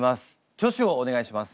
挙手をお願いします。